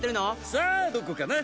さあどこかな？